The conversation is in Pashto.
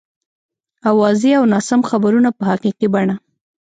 اوازې او ناسم خبرونه په حقیقي بڼه.